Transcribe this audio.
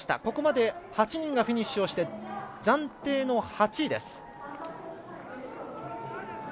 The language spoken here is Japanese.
ここまで８人がフィニッシュして暫定の８位です。